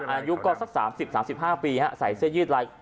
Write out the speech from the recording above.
อายุกศาสตร์สามสิบสามสิบห้าปีค่ะใส่เส้นยืดลาย